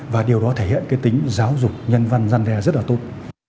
và điều đó thể hiện cái tính giáo dục nhân văn dân ra rất là tốt